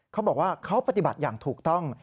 เขาบอกว่าเขาปฏิบัติอย่างถูกต้อง